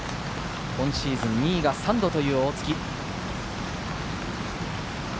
今シーズン２位が３度という大槻。